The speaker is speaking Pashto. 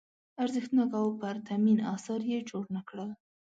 ارزښتناک او پرتمین اثار یې جوړ نه کړل.